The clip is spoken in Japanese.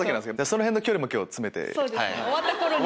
そのへんの距離も今日は詰めて。